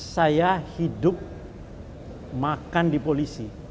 saya hidup makan di polisi